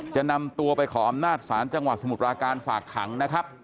จะนำตัวไปขออำนาจศาลจังหวัดสมุทรปราการฝากขังนะครับ